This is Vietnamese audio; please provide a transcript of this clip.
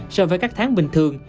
so với các tháng bình thường